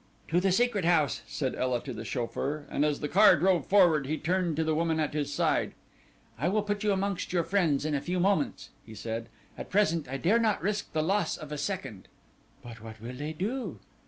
"To the Secret House," said Ela to the chauffeur, and as the car drove forward he turned to the woman at his side. "I will put you amongst your friends in a few moments," he said; "at present I dare not risk the loss of a second." "But what will they do?"